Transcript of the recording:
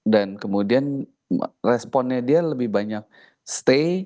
dan kemudian responnya dia lebih banyak stay